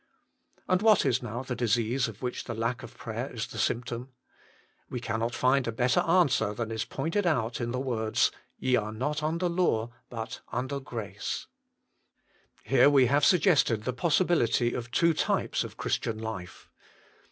And what is now the disease of which the lack of prayer is the symptom ? We cannot find a better 7 84 THE MINISTRY OF INTERCESSION answer than is pointed out in the words, " Ye are not under the law, but under grace." Here we have suggested the possibility of two types of Christian life.